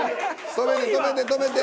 「止めて止めて止めて！」